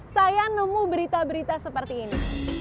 saya nemu berita berita seperti ini